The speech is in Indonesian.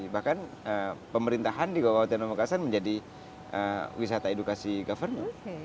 bahkan pemerintahan di kota kota tiongkok mekasan menjadi wisata edukasi government